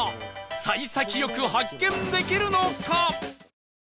幸先よく発見できるのか？